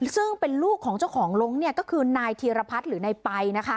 ซึ่งเป็นลูกของเจ้าของลงก็คือนายธีรพัฒน์หรือนายไปนะคะ